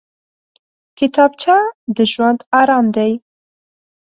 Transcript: کتابچه د ژوند ارام دی